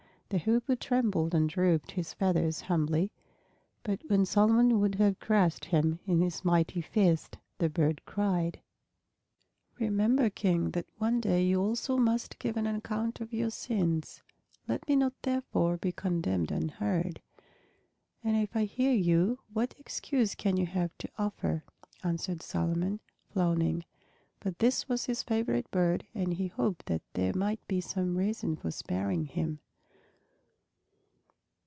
The Hoopoe trembled and drooped his feathers humbly, but when Solomon would have crushed him in his mighty fist the bird cried, "Remember, King, that one day you also must give an account of your sins. Let me not therefore be condemned unheard." "And if I hear you, what excuse can you have to offer?" answered Solomon, frowning. But this was his favorite bird and he hoped that there might be some reason for sparing him.